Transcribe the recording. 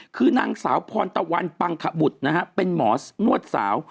คือนางสาวพรตะวันปังขบุตรนะฮะเป็นหมอนวดสาว